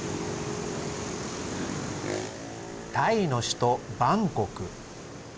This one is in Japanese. タイの首都バンコク。